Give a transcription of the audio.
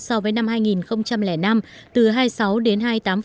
so với năm hai nghìn năm từ hai mươi sáu đến hai mươi tám